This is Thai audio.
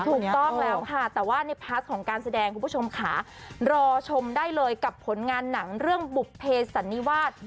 ถูกต้องแล้วค่ะแต่ว่าในพาร์ทของการแสดงคุณผู้ชมค่ะรอชมได้เลยกับผลงานหนังเรื่องบุภเพสันนิวาส